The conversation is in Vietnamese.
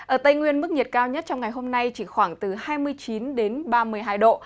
ở tây nguyên mức nhiệt cao nhất trong ngày hôm nay chỉ khoảng từ hai mươi chín đến ba mươi hai độ